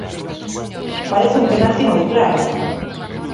Parece un penalti moi claro.